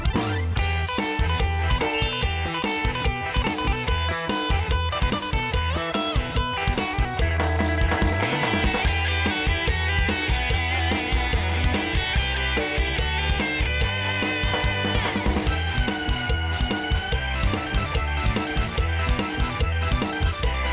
โปรดติดตามตอนต่อไป